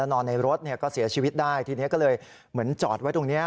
นอนในรถก็เสียชีวิตได้ทีนี้ก็เลยเหมือนจอดไว้ตรงนี้